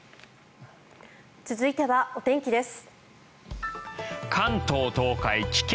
続いてはお天気です。